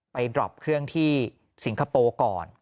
ดรอปเครื่องที่สิงคโปร์ก่อน